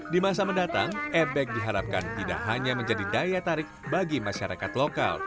di masa mendatang ebek diharapkan tidak hanya menjadi daya tarik bagi masyarakat lokal